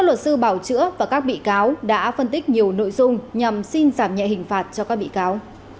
luật sư bảo chữa và các bị cáo đã phân tích nhiều nội dung nhằm xin giảm nhẹ hình phạt cho các bị cáo